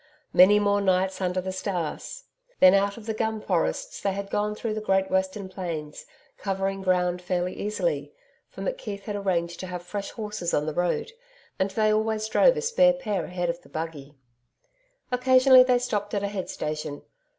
Many more nights under the stars. Then out of the gum forests they had gone through the great western plains, covering ground fairly easily, for McKeith had arranged to have fresh horses on the road, and they always drove a spare pair ahead of the buggy. Occasionally they stopped at a head station.